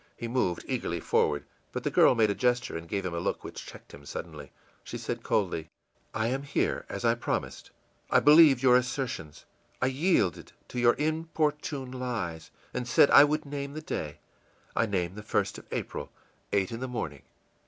He moved eagerly forward, but the girl made a gesture and gave him a look which checked him suddenly. She said, coldly, ìI am here, as I promised. I believed your assertions, I yielded to your importune lies, and said I would name the day. I name the 1st of April eight in the morning.